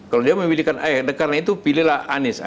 kalau dia memilihkan a karena itu pilihlah anis